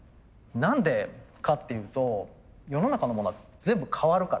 何でかっていうと世の中のものは全部変わるから。